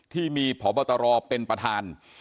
ที่มีพบตรเป็นประธาน